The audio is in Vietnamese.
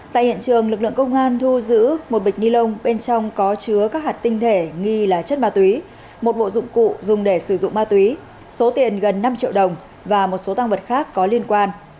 tại hiện trường lực lượng công an thu giữ một bịch ni lông bên trong có chứa các hạt tinh thể nghi là chất ma túy một bộ dụng cụ dùng để sử dụng ma túy số tiền gần năm triệu đồng và một số tăng vật khác có liên quan